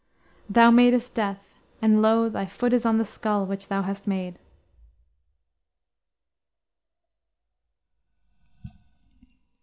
"Thou madest Death; and, lo, thy foot Is on the skull which thou hast made."